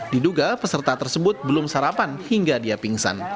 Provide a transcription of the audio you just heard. diduga peserta tersebut belum sarapan hingga dia pingsan